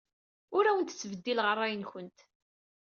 Ur awent-ttbeddileɣ ṛṛay-nwent.